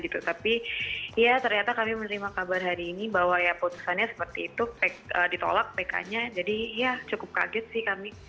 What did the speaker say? tapi ya ternyata kami menerima kabar hari ini bahwa ya putusannya seperti itu ditolak pk nya jadi ya cukup kaget sih kami